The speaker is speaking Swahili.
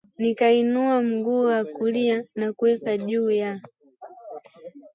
Nikauinua mguu wa kulia na kuuweka juu ya